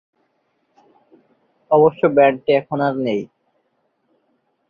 অবশ্য, ব্যান্ডটি এখন আর নেই।